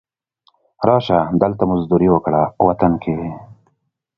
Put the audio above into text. را شه، دلته مزدوري وکړه وطن کې